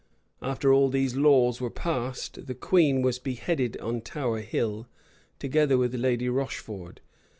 [*] After all these laws were passed, the queen was beheaded on Tower Hill, together with Lady Rocheford.